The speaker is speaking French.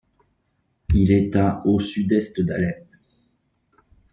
Il est à au sud-est d'Alep.